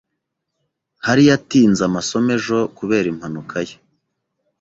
Harry yatinze amasomo ejo kubera impanuka ye.